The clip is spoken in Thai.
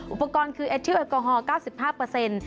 อุปกรณ์คือแอร์ทิลแอลกอฮอล๙๕